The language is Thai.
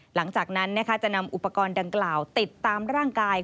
หลังจากนั้นจะนำอุปกรณ์ดังกล่าวติดตามร่างกาย